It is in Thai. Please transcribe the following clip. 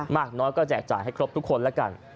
มากน้อยก็แจกจ่ายให้ครบทุกคนแล้วกัน